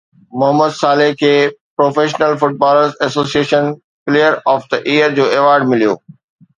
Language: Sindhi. محمد صالح کي professional footballers association player of the year جو ايوارڊ مليو